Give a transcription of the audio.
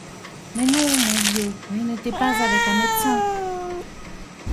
Mais non, mon vieux, je n’étais pas avec un médecin.